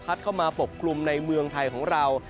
เข้ามาปกกลุ่มในเมืองไทยของเรา